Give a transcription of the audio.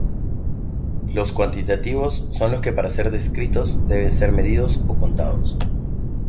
Los cuantitativos son los que, para ser descritos, deben ser medidos o contados.